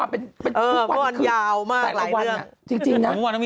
เพราะวันยาวมากหลายเรื่อง